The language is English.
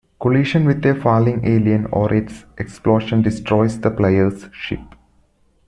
Collision with a falling alien or its explosion destroys the player's ship.